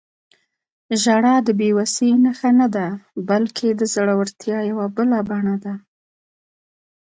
• ژړا د بې وسۍ نښه نه ده، بلکې د زړورتیا یوه بله بڼه ده.